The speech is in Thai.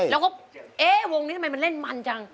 แล้วก็เอ๊ะวงนี้ทำไมมันเล่นมันจัง